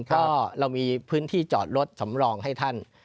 ก็เรามีพื้นที่จอดรถสำรองให้ท่าน